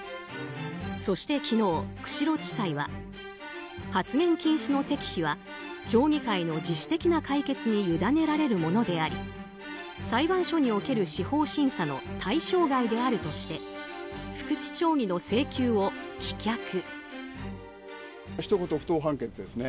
そして昨日、釧路地裁は発言禁止の適否は町議会の自主的な解決にゆだねられるものであり裁判所における司法審査の対象外であるとして福地町議の請求を棄却。